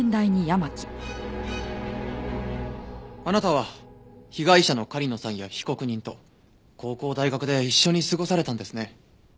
あなたは被害者の狩野さんや被告人と高校大学で一緒に過ごされたんですね。